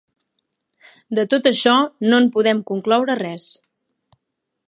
De tot això, no en podem concloure res.